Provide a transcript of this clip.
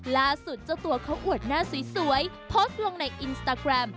ล่าสุดเจ้าตัวเขาอวดหน้าสวยโพสต์ลงในอินสตาแกรม